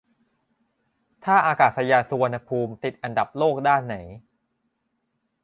ท่าอากาศยานสุวรรณภูมิติดอันดับโลกด้านไหน